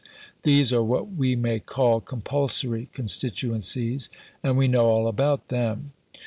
These are what we may call compulsory constituencies, and we know all about them.